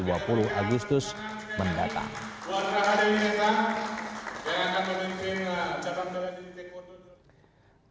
buat raha dewi neta yang akan memimpin cabang olahraga taekwondo